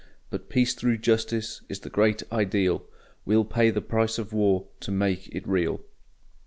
But Peace through Justice is the great ideal, We'll pay the price of war to make it real.